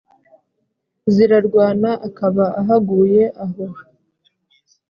zirarwana akaba ahaguye aho